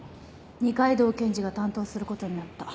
二階堂検事が担当する事になった。